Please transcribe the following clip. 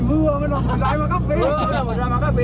โอ้โหมันกำลังไปรอบกับไป